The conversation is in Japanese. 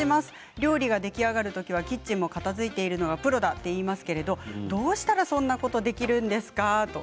料理が出来上がる時はキッチンが片づいているのもプロだといいますけれどどうしたら、そんなことができるんですか？と。